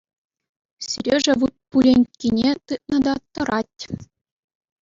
Сережа вут пуленккине тытнӑ та тӑрать.